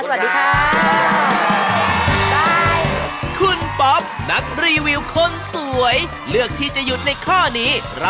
สวัสดีค่ะ